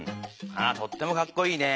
あとってもかっこいいね。